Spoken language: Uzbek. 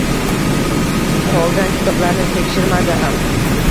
Qolgan kitoblarni tekshirmadi ham.